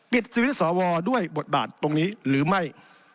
ปิดชีวิตสวดด้วยบทบาทตรงนี้หรือไม่